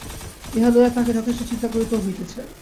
ইহা লইয়া তাঁহাকে যথেষ্ট চিন্তা করিতেও হইতেছে।